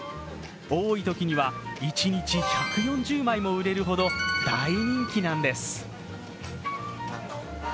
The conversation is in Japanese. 多いときには一日１４０枚も売れるほど大人気なんです。